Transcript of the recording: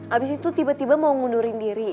abis itu tiba tiba mau ngundurkan diri